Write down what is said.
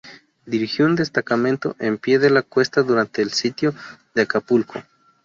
Dirigió un destacamento en Pie de la Cuesta durante el Sitio de Acapulco.